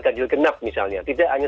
ganjil genap misalnya tidak hanya